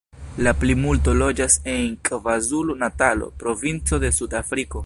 La plimulto loĝas en Kvazulu-Natalo, provinco de Sud-Afriko.